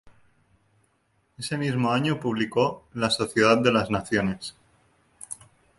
Ese mismo año publicó "La Sociedad de las Naciones".